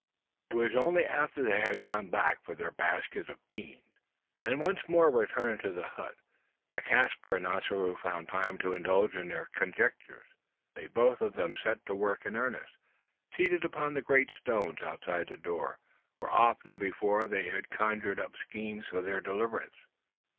It was only after they had gone back for their baskets of beans, and once more returned to the hut, that Caspar and Ossaroo found time to indulge in their conjectures. Then both of them set to work in earnest seated upon the great stones outside the door, where often before they had conjured up schemes for their deliverance.